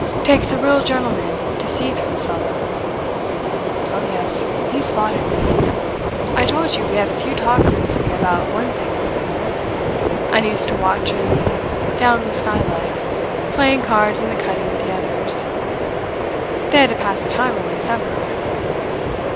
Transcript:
Takes a real gentleman to see through a fellow. Oh, yes he spotted me. I told you we had a few talks at sea about one thing or another. And I used to watch him down the skylight, playing cards in the cuddy with the others. They had to pass the time away somehow.